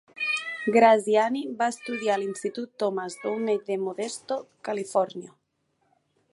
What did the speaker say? Graziani va estudiar a l'Institut Thomas Downey de Modesto, Califòrnia.